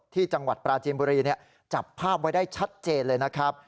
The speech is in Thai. ที่จังหวัดปราจีนบุรีจับภาพไว้ได้ชัดเจนเลยนะครับ